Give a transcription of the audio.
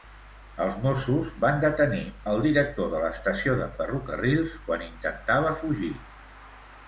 Els Mossos van detenir el director de l'estació de Ferrocarrils quan intentava fugir.